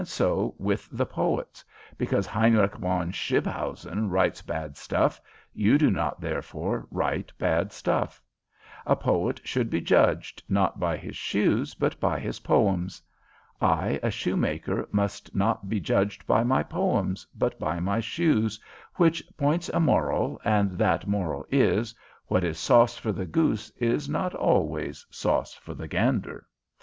So with the poets. Because Heinrich von Scribbhausen writes bad stuff, you do not therefore write bad stuff. A poet should be judged, not by his shoes, but by his poems. I, a shoemaker, must not be judged by my poems, but by my shoes, which points a moral, and that moral is, what is sauce for the goose is not always sauce for the gander.